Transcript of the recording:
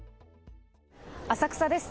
浅草です。